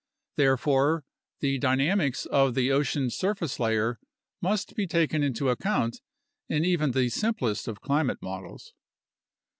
Therefore, the dynamics of the ocean's surface layer must be taken into account in even the simplest of climate models.